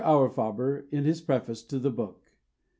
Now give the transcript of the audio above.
AURIFABER, in his Preface to the Book.